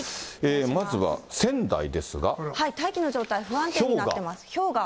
まずは、大気の状態、不安定になってひょうが。